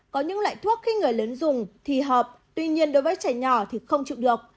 có những loại thuốc khi người lớn dùng thì họp tuy nhiên đối với trẻ nhỏ thì không chịu được